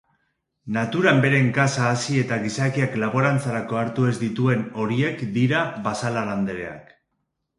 Naturan beren kasa hazi eta gizakiak laborantzarako hartu ez dituen horiek dira basalandareak.